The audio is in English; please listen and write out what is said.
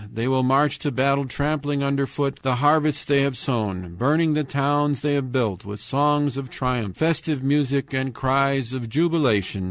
They will march to battle trampling underfoot the harvests they have sown, burning the towns they have built with songs of triumph, festive music, and cries of jubilation.